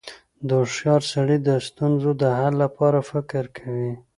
• هوښیار سړی د ستونزو د حل لپاره فکر کوي.